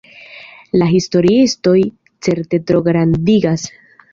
La historiistoj certe trograndigas!